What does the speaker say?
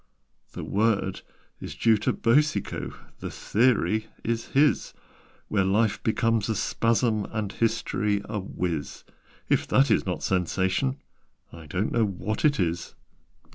"The word is due to Boucicault The theory is his, Where Life becomes a Spasm, And History a Whiz: If that is not Sensation, I don't know what it is.